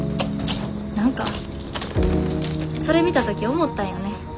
何かそれ見た時思ったんよね。